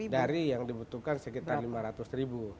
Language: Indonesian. dari yang dibutuhkan sekitar lima ratus ribu